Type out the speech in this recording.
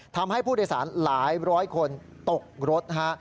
ทำให้ผู้โดยสารหลายร้อยคนตกรถนะฮะ